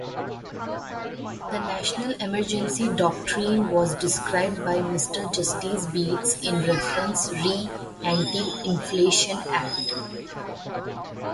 The national-emergency doctrine was described by Mr Justice Beetz in "Reference re Anti-Inflation Act".